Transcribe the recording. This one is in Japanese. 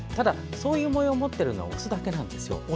そういう模様を持っているのはオスだけなんです。